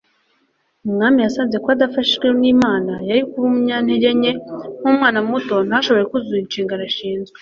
umwami yasanze ko adafashijwe n'imana, yari kuba ari umunyantege nke nk'umwana muto ntashobore kuzuza inshingano ashinzwe